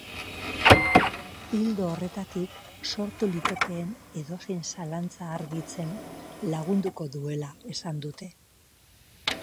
Ildo horretatik, sortu litekeen edozein zalantza argitzen lagunduko duela esan dute.